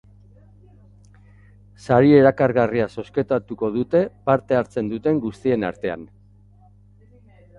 Sari erakargarria zozketatuko dute parte hartzen duten guztien artean.